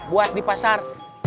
buat di pasar